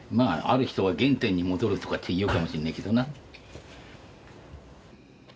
ある人は原点に戻るとかって言うかもしんねえけどな。